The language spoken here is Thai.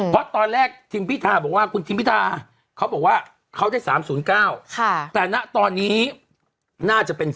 เพราะตอนแรกทีมพิธาบอกว่าคุณทิมพิธาเขาบอกว่าเขาได้๓๐๙แต่ณตอนนี้น่าจะเป็น